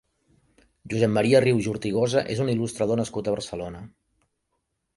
Josep Maria Rius i Ortigosa és un il·lustrador nascut a Barcelona.